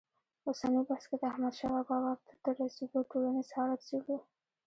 اوسني بحث کې د احمدشاه بابا واک ته تر رسېدو ټولنیز حالت څېړو.